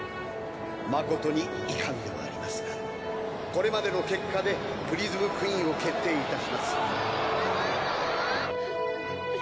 まことに遺憾ではありますがこれまでの結果でプリズムクイーンを決定いたします。